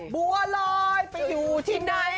บัวลอยไปอยู่ที่ไหน